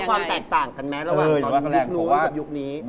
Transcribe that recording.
ความแตกต่างกันไหมระหว่างนู้นกับยุคนี้